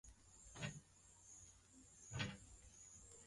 Obito alidhani kuwa rafiki yake Sarah alikufa